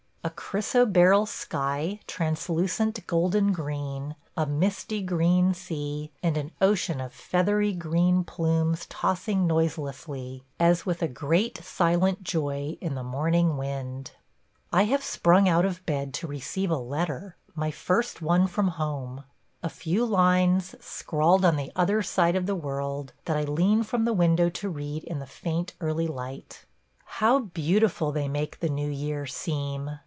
A chrysoberyl sky, translucent golden green, a misty green sea, and an ocean of feathery green plumes tossing noiselessly, as with a great silent joy, in the morning wind. I have sprung out of bed to receive a letter – my first one from home. A few lines, scrawled on the other side of the world, that I lean from the window to read in the faint early light. How beautiful they make the new year seem!